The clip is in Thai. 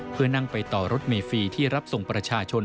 เพื่อนั่งไปต่อรถเมฟรีที่รับส่งประชาชน